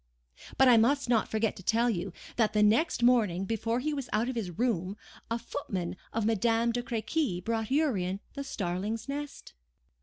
"But I must not forget to tell you, that the next morning, before he was out of his room, a footman of Madame de Crequy's brought Urian the starling's nest."